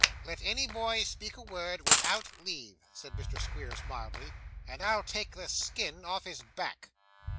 'Let any boy speak a word without leave,' said Mr. Squeers mildly, 'and I'll take the skin off his back.